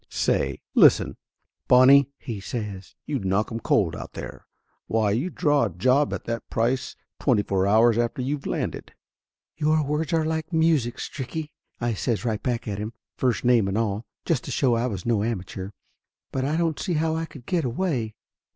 "Say, listen, Bonnie," he says. "You'd knock 'em cold out there. Why, you'd draw a job at that price twenty four hours after you landed." 27 28 Laughter Limited "Your words are like music, Stricky," I says right back at him, first name and all, just to show I was no amateur. "But I don't see how I could get away."